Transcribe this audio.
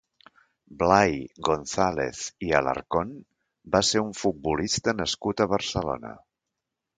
Blai González i Alarcón va ser un futbolista nascut a Barcelona.